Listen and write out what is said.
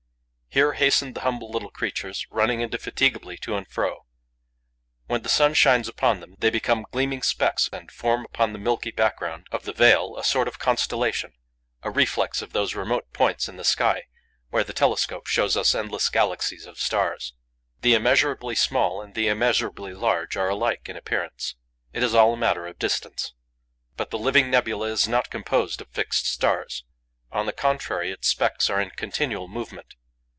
Here hasten the humble little creatures, running indefatigably to and fro. When the sun shines upon them, they become gleaming specks and form upon the milky background of the veil a sort of constellation, a reflex of those remote points in the sky where the telescope shows us endless galaxies of stars. The immeasurably small and the immeasurably large are alike in appearance. It is all a matter of distance. But the living nebula is not composed of fixed stars; on the contrary, its specks are in continual movement.